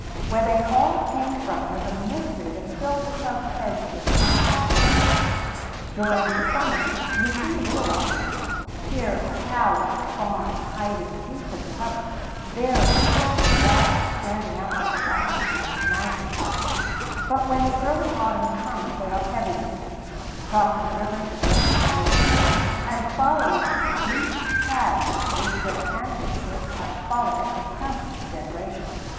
Where they all came from was a mystery that filled the cubs' heads with constant wonder. During the summer you see little of them, here a cow with her fawn hiding deep in the cover, there a big stag standing out like a watchman on the mountain top; but when the early autumn comes they are everywhere, crossing rivers and lakes at regular points, and following deep paths which their ancestors have followed for countless generations.